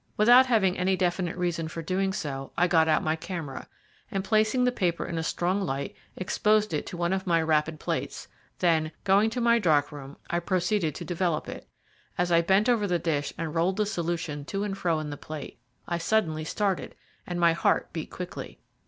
Without having any definite reason for doing so, I got out my camera, and, placing the paper in a strong light, exposed it to one of my rapid plates; then, going to my dark room, I proceeded to develop it. As I bent over the dish and rolled the solution to and fro in the plate, I suddenly started, and my heart beat quickly.